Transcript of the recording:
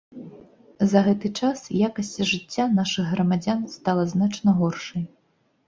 За гэты час якасць жыцця нашых грамадзян стала значна горшай.